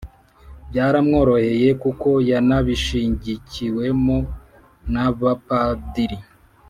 Byaramworoheye kuko yanabishigikiwemo n'Abapadiri